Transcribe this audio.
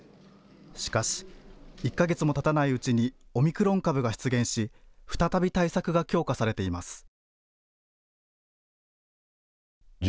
しかし１か月もたたないうちにオミクロン株が出現し再び対策が強化されています。